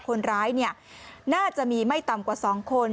คนร้ายน่าจะมีไม่ต่ำกว่า๒คน